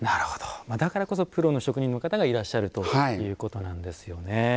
だからこそプロの職人の方がいらっしゃるということなんですよね。